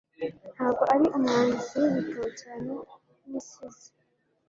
Ntabwo ari umwanditsi w'ibitabo cyane nk'umusizi.